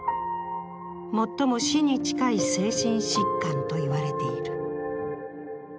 最も死に近い精神疾患と言われている。